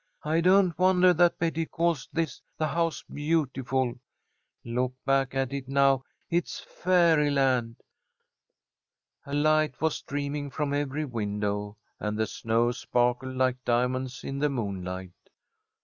I don't wonder that Betty calls this the House Beautiful. Look back at it now. It's fairy land!" A light was streaming from every window, and the snow sparkled like diamonds in the moonlight.